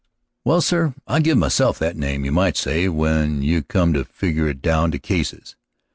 "Well, sir, I give myself that name, you might say, when you come to figger it down to cases.